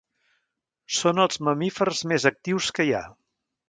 Són els mamífers més actius que hi ha.